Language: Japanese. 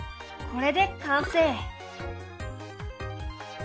これで完成！